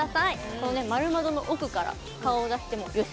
この円窓の奥から顔を出してもよし！